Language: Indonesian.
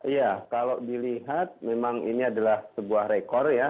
ya kalau dilihat memang ini adalah sebuah rekor ya